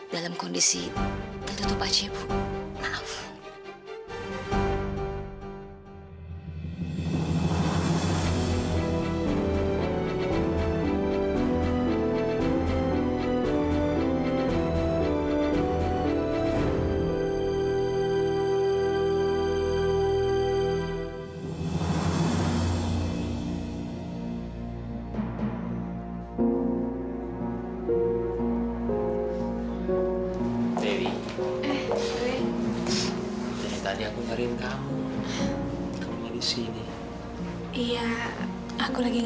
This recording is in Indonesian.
dalam kondisi tertutup aja bu